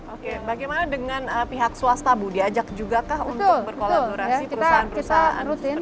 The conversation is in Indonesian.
oke bagaimana dengan pihak swasta bu diajak juga kah untuk berkolaborasi perusahaan perusahaan